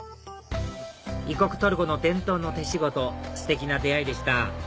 異国トルコの伝統の手仕事ステキな出会いでした